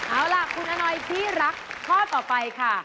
เอาล่ะคุณอนอยที่รักข้อต่อไปค่ะ